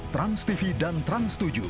transtv dan trans tujuh